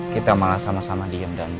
kita malah sama sama diem